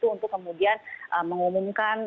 untuk kemudian mengumumkan